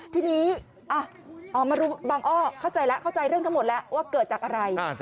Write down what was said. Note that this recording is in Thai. ทีนี้บางอ้อเข้าใจแล้วเข้าใจเรื่องทั้งหมดแล้วว่าเกิดจากอะไร